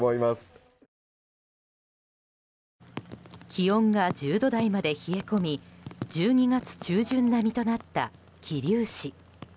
気温が１０度台まで冷え込み１２月中旬並みとなった桐生市。